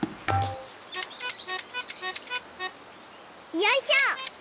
よいしょ！